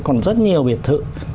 còn rất nhiều biệt thự